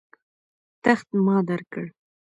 تخت ما درکړ.